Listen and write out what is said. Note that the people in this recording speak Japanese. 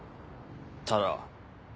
ただ。